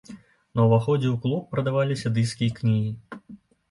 На ўваходзе ў клуб прадаваліся дыскі і кнігі.